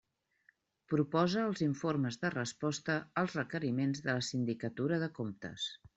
Proposa els informes de resposta als requeriments de la Sindicatura de Comptes.